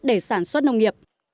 để sản xuất nông nghiệp